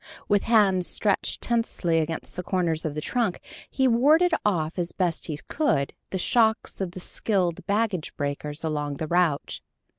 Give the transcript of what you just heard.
With hands stretched tensely against the corners of the trunk, he warded off as best he could the shocks of the skilled baggage breakers along the route.